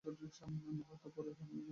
মুর্হূত পরেই হেমনলিনী ঘরে প্রবেশ করিল।